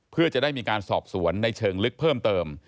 เพื่อจะได้มีการสอบสวนในเชิงลึกเพิ่มเติม